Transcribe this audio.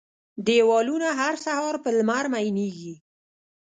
دیوالونه، هر سهار په لمر میینیږې